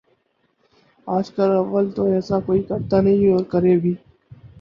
آج کل اول تو ایسا کوئی کرتا نہیں اور کرے بھی